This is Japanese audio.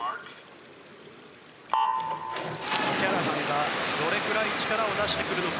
オキャラハンがどのくらい力を出してくるのか。